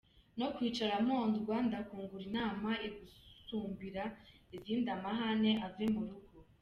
No kwicara mpondwa Ndakungura inama Igusumbira izindi Amahane ave mu rugo.